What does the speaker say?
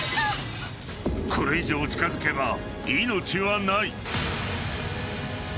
［これ以上近づけば命はない］